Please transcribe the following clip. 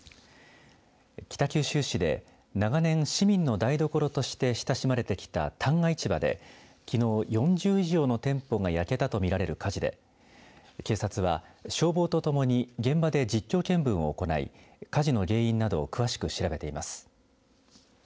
北九州市で長年、市民の台所として親しまれてきた旦過市場できのう４０以上の店舗が焼けたとみられる火事で警察は消防ととともに現場で実況見分を行い火事の原因などを詳しく調べてます。